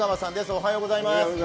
おはようございます。